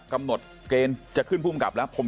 กำหนดเกรงท์จะขึ้นผู้อุดับแล้ว